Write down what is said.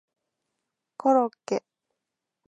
コロッケ